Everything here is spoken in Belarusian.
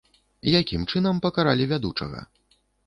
Якім чынам пакаралі вядучага?